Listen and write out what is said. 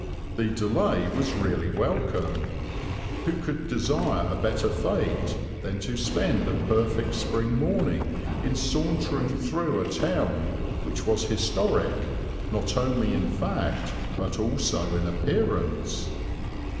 The delay was really welcome. Who could desire a better fate than to spend a perfect spring morning in sauntering through a town which was historic not only in fact but also in appearance?